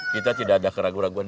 kita tidak ada keraguan keraguan